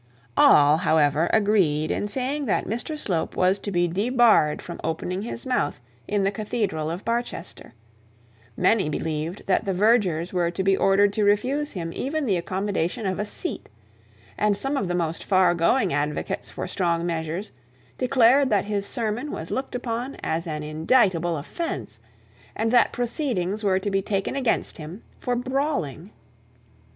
All, however, agreed in saying that Mr Slope was to be debarred from opening his mouth in the cathedral of Barchester; many believed that the vergers were to be ordered to refuse him even the accommodation of a seat; and some of the most far going advocates for strong measures, declared that this sermon was looked upon as an indictable offence, and that proceedings were to be taken against him for brawling.